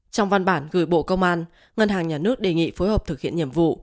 trong văn bản gửi bộ công an ngân hàng nhà nước đề nghị phối hợp thực hiện nhiệm vụ